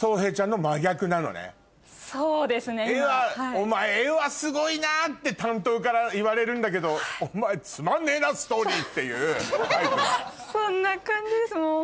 お前絵はすごいなって担当から言われるんだけどお前つまんねえなストーリーっていうタイプだ？